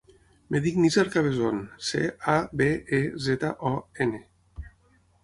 Em dic Nizar Cabezon: ce, a, be, e, zeta, o, ena.